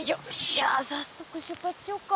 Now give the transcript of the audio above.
じゃあさっそく出発しようか。